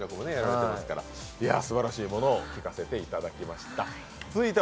すばらしいものを聴かせていただきました。